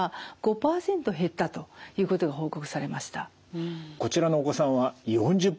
実際こちらのお子さんは４０分。